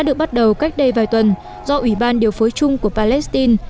được bắt đầu cách đây vài tuần do ủy ban điều phối chung của palestine